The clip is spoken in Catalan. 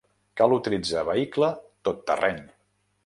Cal utilitzar vehicle tot terreny.